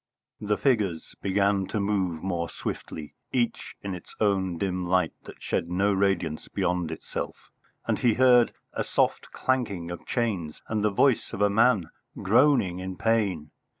The figures began to move more swiftly, each in its own dim light that shed no radiance beyond itself, and he heard a soft clanking of chains and the voice of a man groaning in pain.